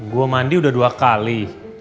gue mandi udah dua kali